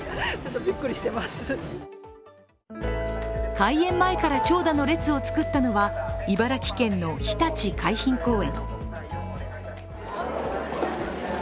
開園前から長蛇の列を作ったのは茨城県のひたち海浜公園。